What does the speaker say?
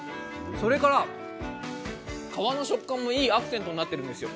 それから皮の食感もいいアクセントになっているんですよ。